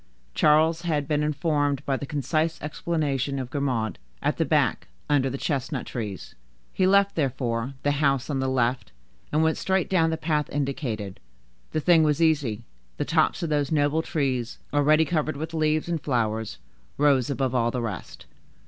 Charles had been informed by the concise explanation of Grimaud,—"At the back, under the chestnut trees;" he left, therefore, the house on the left, and went straight down the path indicated. The thing was easy; the tops of those noble trees, already covered with leaves and flowers, rose above all the rest.